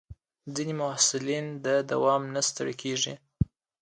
ځینې محصلین د دوام نه ستړي کېږي.